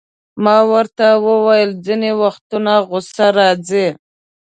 ما ورته وویل: ځیني وختونه غصه راځي.